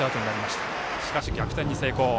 しかし逆転成功。